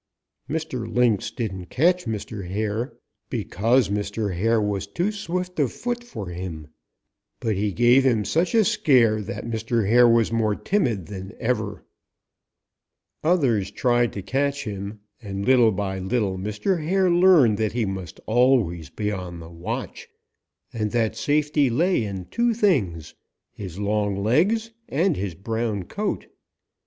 Mr. Lynx didn't catch Mr. Hare, because Mr. Hare was too swift of foot for him, but he gave him such a scare was that Mr. Hare was more timid than ever. [Illustration: 0181] "Others tried to catch him, and, little by little, Mr. Hare learned that he must always be on the watch, and that safety lay in two things his long legs and his brown coat.